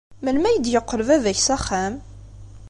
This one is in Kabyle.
Melmi ay d-yeqqel baba-k s axxam?